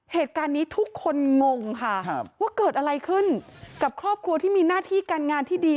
เหตุการณ์นี้ทุกคนงงค่ะว่าเกิดอะไรขึ้นกับครอบครัวที่มีหน้าที่การงานที่ดี